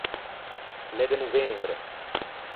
L’é de novembre.